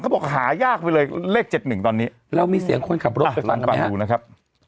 เขาบอกหายากไปเลยเลขเจ็ดหนึ่งตอนนี้แล้วมีเสียงคนขับรถไปฟังดูนะครับ